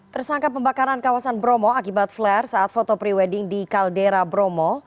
tersangka pembakaran kawasan bromo akibat flare saat foto pre wedding di kaldera bromo